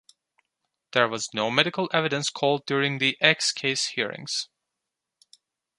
There was no medical evidence called during the X case hearings.